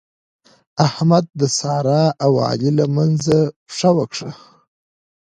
احمد د سارا او علي له منځه پښه وکښه.